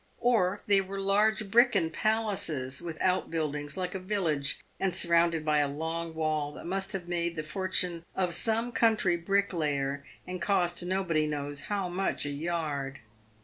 Or they were large bricken palaces, w r ith outbuildings, like a village, and surrounded by a long wall that must have made the fortune of some country bricklayer, and cost nobody knows how much a yard.